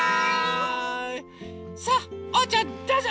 さあおうちゃんどうぞ！